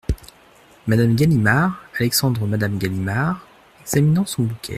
Madame Galimard, Alexandre Madame Galimard , examinant son bouquet.